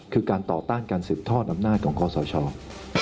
คือการต่อต้านการสืบทอดอำนาจของคอสช